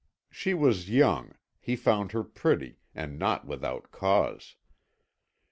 She was young, he found her pretty, and not without cause.